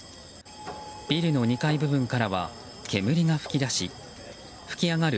ビルの２階部分からは煙が噴き出し噴き上がる